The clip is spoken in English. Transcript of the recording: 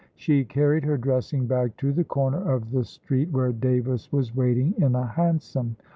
She carried her dressing bag to the corner of the street, where Davis was waiting in a hansom.